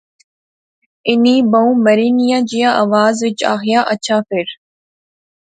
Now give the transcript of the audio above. انیں بہوں مری نیاں جیا آواز وچ آخیا۔۔۔ اچھا فیر